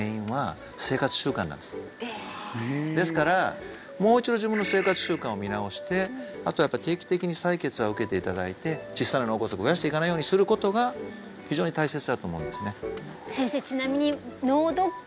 ですからもう一度自分の生活習慣を見直してあとやっぱ定期的に採血は受けていただいて小さな脳梗塞を増やしていかないようにすることが非常に大切だと思うんですね